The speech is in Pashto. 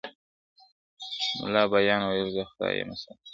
مُلا بیا ویل زه خدای یمه ساتلی-